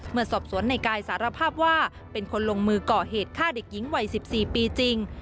เมื่อสอบสวนในกายสารภาพว่าเป็นคนลงมือก่อเหตุฆ่าเด็กหญิงวัย๑๔ปีจริง